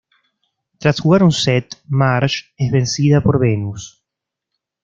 Tras jugar un set, Marge es vencida por Venus.